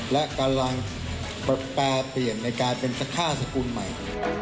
และกำลังแปรเปลี่ยนในการเป็นสัก๕สกุลใหม่